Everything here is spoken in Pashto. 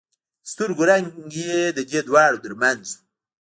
د سترګو رنگ يې د دې دواړو تر منځ و.